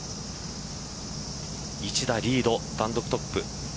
１打リード単独トップ。